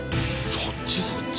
そっちそっち！